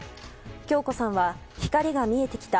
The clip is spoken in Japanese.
響子さんは光が見えてきた。